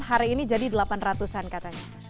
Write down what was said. hari ini jadi delapan ratus an katanya